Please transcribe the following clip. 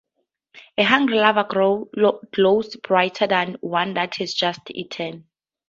A hungry larva glows brighter than one that has just eaten.